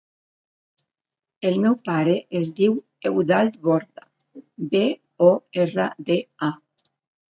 El meu pare es diu Eudald Borda: be, o, erra, de, a.